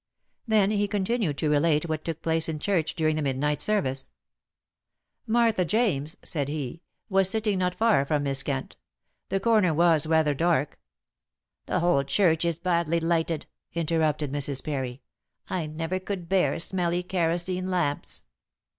Then he continued to relate what took place in church during the midnight service. "Martha James," said he, "was sitting not far from Miss Kent. The corner was rather dark " "The whole church is badly lighted," interrupted Mrs. Parry. "I never could bear smelly kerosene lamps."